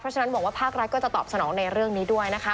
ฉะนั้นบอกว่าภาครัฐก็จะตอบสนองในเรื่องนี้ด้วยนะคะ